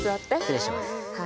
失礼します。